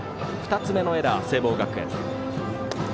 ２つ目のエラー、聖望学園。